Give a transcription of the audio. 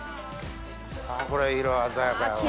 これ色鮮やかやわ。